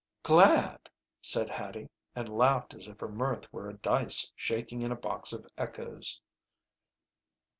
"Glad!" said Hattie, and laughed as if her mirth were a dice shaking in a box of echoes.